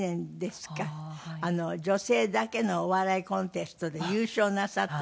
女性だけのお笑いコンテストで優勝なさった。